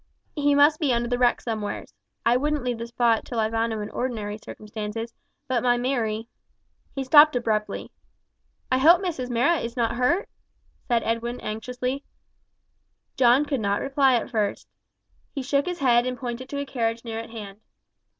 He must be under the wreck somewheres. I wouldn't leave the spot till I found him in or'nary circumstances; but my Mary " He stopped abruptly. "I hope Mrs Marrot is not hurt?" said Edwin anxiously. John could not reply at first. He shook his head and pointed to a carriage near at hand.